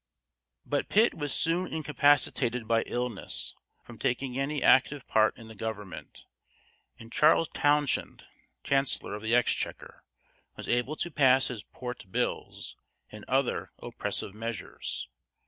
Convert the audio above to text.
But Pitt was soon incapacitated by illness from taking any active part in the government, and Charles Townshend, chancellor of the exchequer, was able to pass his "port bills," and other oppressive measures.